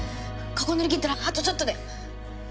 ここ乗り切ったらあとちょっとだよ。